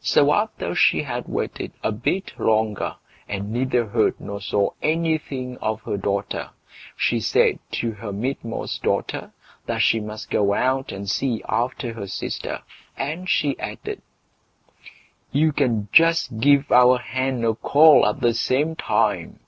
So after she had waited a bit longer, and neither heard nor saw anything of her daughter, she said to her midmost daughter, that she must go out and see after her sister, and she added: "You can just give our hen a call at the same time."